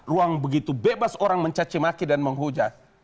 ruang begitu bebas orang mencacimaki dan menghujat